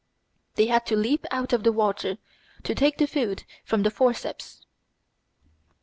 They had to leap out of the water to take the food from the forceps.